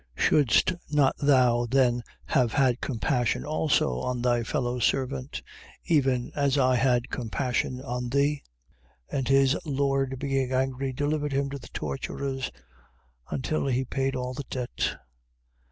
Shouldst not thou then have had compassion also on thy fellow servant, even as I had compassion on thee? 18:34. And his lord being angry, delivered him to the torturers until he paid all the debt.